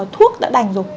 thuốc đã đành dục